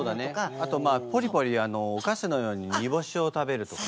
あとポリポリおかしのようににぼしを食べるとかね。